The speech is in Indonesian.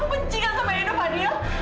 kamu benci kan sama ido fadhil